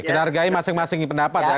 kita hargai masing masing pendapat ya